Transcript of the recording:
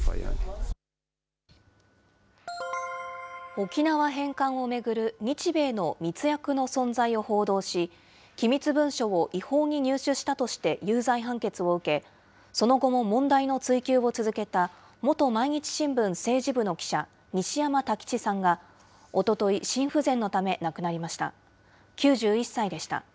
沖縄返還を巡る日米の密約の存在を報道し、機密文書を違法に入手したとして有罪判決を受け、その後も問題の追及を続けた元毎日新聞政治部の記者、西山太吉さんがおととい、心不全のため亡くなりました。